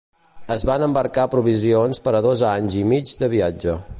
Es van embarcar provisions per a dos anys i mig de viatge.